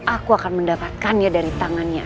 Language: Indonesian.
aku akan mendapatkannya dari tangannya